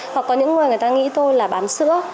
hoặc có những người người ta nghĩ tôi là bán sữa